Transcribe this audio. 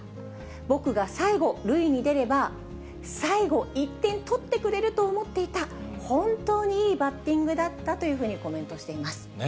僕が最後、塁に出れば、最後１点取ってくれると思っていた、本当にいいバッティングだったというふうにコメントしています。